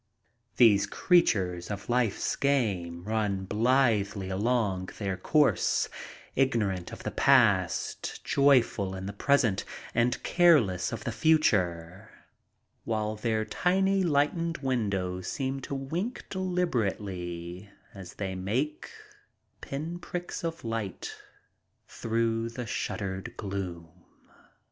These creatures of life's game run blithely along their course, ignorant of the past, joyful in the present, and careless of the future, while their tiny lightened windows seem to wink deliberately as they make pinpricks of light through the shuttered gloom.